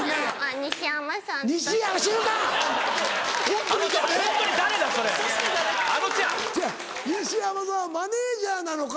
ニシヤマさんはマネジャーなのか？